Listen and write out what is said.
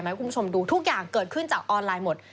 ให้คุณผู้ชมดูทุกอย่างเกิดขึ้นจากออนไลน์หมด